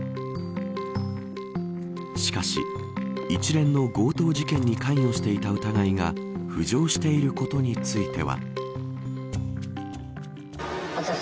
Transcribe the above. しかし一連の強盗事件に関与していた疑いが浮上していることについては。